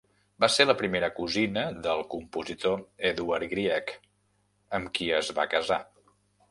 Va ser la primera cosina del compositor Edvard Grieg, amb qui es va casar.